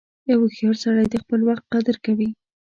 • یو هوښیار سړی د خپل وخت قدر کوي.